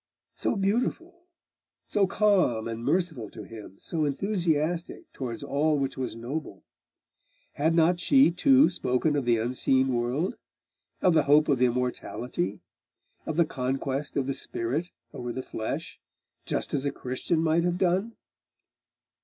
So beautiful! So calm and merciful to him So enthusiastic towards all which was noble! Had not she too spoken of the unseen world, of the hope of immortality, of the conquest of the spirit over the flesh, just as a Christian might have done?